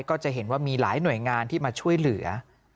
ก็จะเห็นว่ามีหลายหน่วยงานที่มาช่วยเหลือ